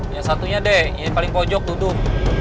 yang satunya dek yang paling pojok duduk